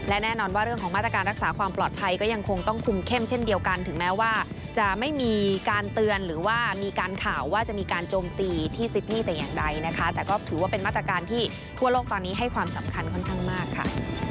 อ่าวซิดนี่แต่อย่างใดนะคะแต่ก็ถือว่าเป็นมาตรการที่ทั่วโลกตอนนี้ให้ความสำคัญค่อนข้างมากค่ะ